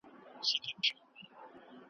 د رنګینو کلماتو تر اغېز لاندي راغلي وي .